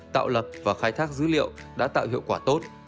tạo lập và khai thác dữ liệu đã tạo hiệu quả tốt